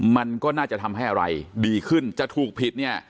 มันก็น่าจะทำให้อะไรดีขึ้นจะถูกผิดเนี่ย